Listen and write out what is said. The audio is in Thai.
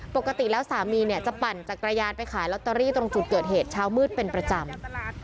ปกติแล้วสามีเนี่ยจะปั่นจักรยานไปขายลอตเตอรี่ตรงจุดเกิดเหตุเช้ามืดเป็นประจำ